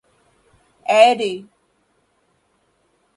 Airy.